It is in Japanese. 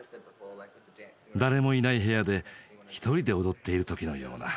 誰もいない部屋で１人で踊っている時のような。